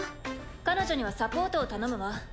彼女にはサポートを頼むわ。